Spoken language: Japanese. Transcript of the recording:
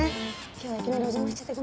今日はいきなりお邪魔しちゃってごめんね。